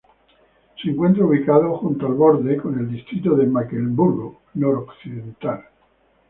Se encuentra ubicado junto al borde con el distrito de Mecklemburgo Noroccidental.